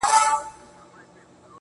زما کار نسته بُتکده کي؛ تر کعبې پوري